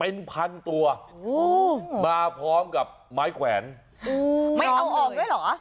เป็นพันตัวมาพร้อมกับไม้แขวนไม่เอาออกด้วยเหรอ